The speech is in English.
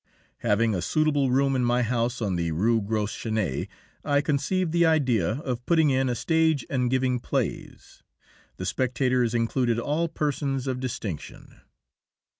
Having a suitable room in my house on the Rue Gros Chenet, I conceived the idea of putting in a stage and giving plays. The spectators included all persons of distinction.